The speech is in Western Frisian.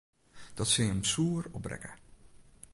Dat sil jim soer opbrekke.